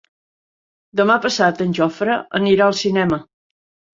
Demà passat en Jofre anirà al cinema.